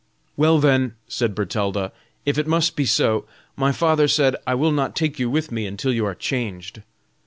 "Well, then," said Bertalda, "if it must be so, my father said, 'I will not take you with me until you are changed.